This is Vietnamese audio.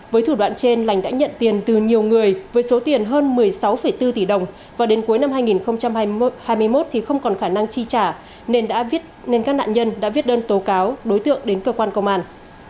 với thủ đoạn trên lành đã nhận tiền từ nhiều người với số tiền hơn một mươi sáu bốn tỷ đồng và đến cuối năm hai nghìn hai mươi một thì không còn khả năng chi trả nên đã viết nên các nạn nhân đã viết đơn tố cáo đối tượng đến cơ quan công an